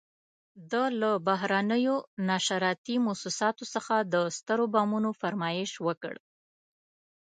ده له بهرنیو نشراتي موسساتو څخه د سترو بمونو فرمایش وکړ.